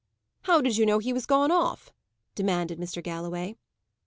"How did you know he was gone off?" demanded Mr. Galloway.